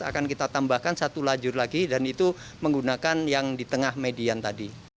akan kita tambahkan satu lajur lagi dan itu menggunakan yang di tengah median tadi